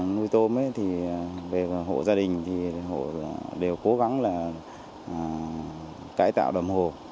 nuôi tôm thì về hộ gia đình thì hộ đều cố gắng là cải tạo đồng hồ